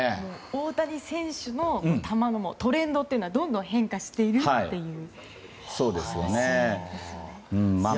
大谷選手の球のトレンドというのはどんどん変化しているということですね。